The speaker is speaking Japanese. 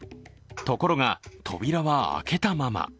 ところが扉は開けたまま。